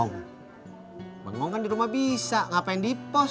nah kita pergi